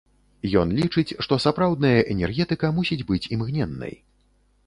Ён лічыць, што сапраўдная энергетыка мусіць быць імгненнай.